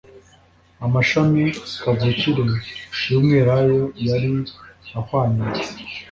Amashami kavukire y'Umwelayo yari ahwanyutse.